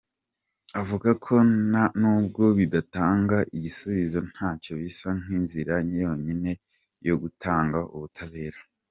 Avuga ko nubwo bidatanga igisubizo nyacyo bisa nk’inzira yonyine yo gutanga ubutabera.